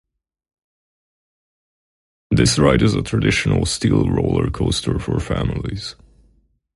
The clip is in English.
This ride is a traditional steel roller coaster for families.